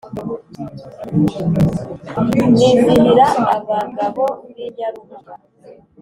Nizihira abagabo b’I Nyarubuga